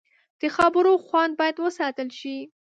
د خبرو خوند باید وساتل شي